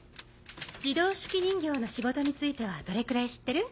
自動手記人形の仕事についてはどれくらい知ってる？